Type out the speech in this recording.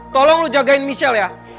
tolong lu jagain michelle ya